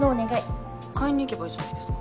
買いに行けばいいじゃないですか。